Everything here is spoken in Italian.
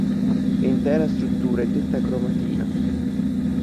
L'intera struttura è detta cromatina.